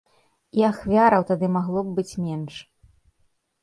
І ахвяраў тады магло б быць менш.